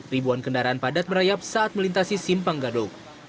ribuan kendaraan padat merayap saat melintasi simpang gadok